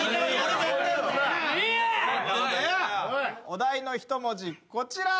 お題の１文字こちら。